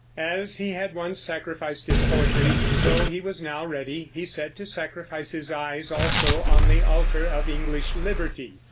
As he had once sacrificed his poetry, so he was now ready, he said, to sacrifice his eyes also on the altar of English liberty.